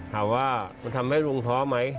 ถามว่ามันทำให้ลุงท้อไหม